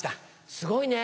すごいね。